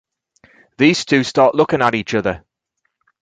These two start looking at each other.